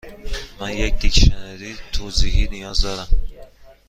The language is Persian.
من یک دیکشنری توضیحی نیاز دارم.